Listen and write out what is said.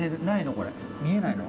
これ見えないの？